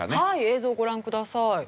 はい映像ご覧ください。